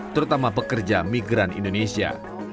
terutama pekerja migran indonesia